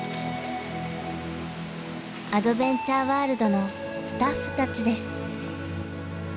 アドベンチャーワールドのスタッフたちです。